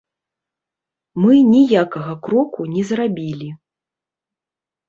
Мы ніякага кроку не зрабілі.